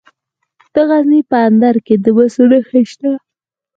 د غزني په اندړ کې د مسو نښې شته.